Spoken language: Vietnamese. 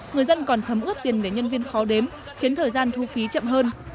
người dân còn thấm ướt tiền để nhân viên khó đếm khiến thời gian thu phí chậm hơn